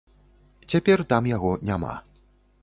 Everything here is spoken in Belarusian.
Цяпер там яго няма.